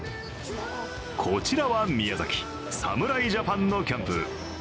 こちらは宮崎、侍ジャパンのキャンプ。